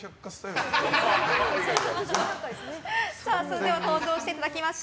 それでは登場していただきます。